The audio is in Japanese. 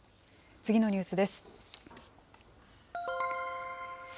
次のニュースです。